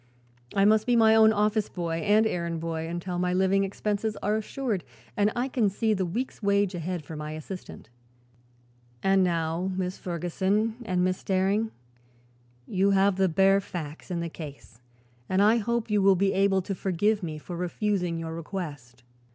I must be my own office boy and errand boy until my living expenses are assured and I can see the week's wage ahead for my assistant. And now, Miss Ferguson and Miss Daring, you have the bare facts in the case and I hope you will be able to forgive me for refusing your request."